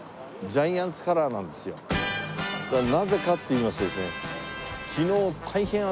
それはなぜかっていいますとですね。